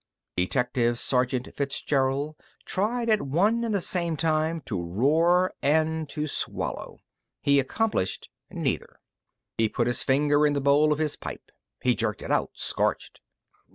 Detective Sergeant Fitzgerald tried at one and the same time to roar and to swallow. He accomplished neither. He put his finger in the bowl of his pipe. He jerked it out, scorched.